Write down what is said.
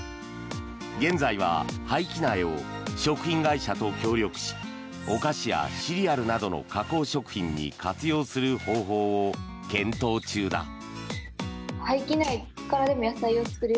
現在は廃棄苗を食品会社と協力しお菓子やシリアルなどの加工食品に活用する方法を検討中だ。